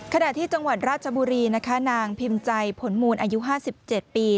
ขณะที่จังหวัดราชบุรีนะคะนางพิมพ์ใจผลหมูนอายุห้าสิบเจ็ดปี